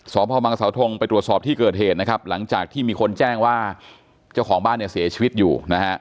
สพบางสาวทงไปตรวจสอบที่เกิดเหตุหลังจากที่มีคนแจ้งว่าเจ้าของบ้านเสียชีวิตอยู่